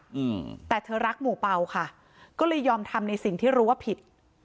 อืมแต่เธอรักหมู่เป่าค่ะก็เลยยอมทำในสิ่งที่รู้ว่าผิด